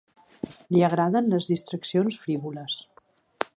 Li agraden les distraccions frívoles.